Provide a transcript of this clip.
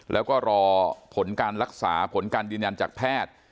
แล้วก็รอผลการรักษาผลการยืนยันจากแพทย์